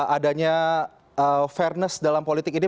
adanya fairness dalam politik ini